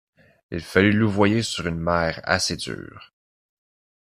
Il fallut louvoyer sur une mer assez dure.